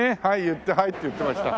言って「はい」って言ってました。